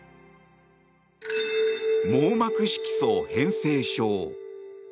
網膜色素変性症。